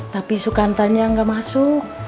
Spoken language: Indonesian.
tapi sukantanya gak masuk